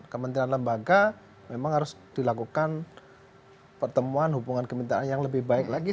kementerian lembaga memang harus dilakukan pertemuan hubungan kementerian yang lebih baik lagi